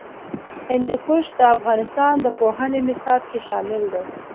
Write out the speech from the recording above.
هندوکش د افغانستان د پوهنې نصاب کې شامل دي.